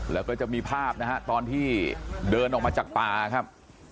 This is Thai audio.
แล้วก็จะมีภาพนะฮะตอนที่เดินออกมาจากป่าครับ